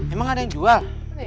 emang ada yang jual